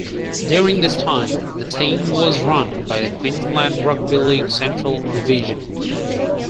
During this time, the team was run by the Queensland Rugby League Central Division.